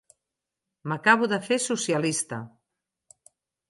M'acabo de fer socialista.